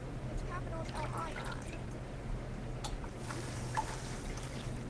Its capital is El Aaiun.